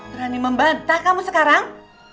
berani membantah kamu sekarang